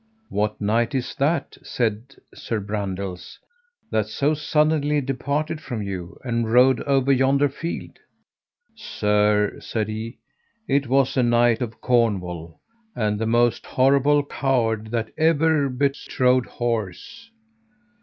What knight is that, said Sir Brandiles, that so suddenly departed from you, and rode over yonder field? Sir, said he, it was a knight of Cornwall, and the most horrible coward that ever bestrode horse.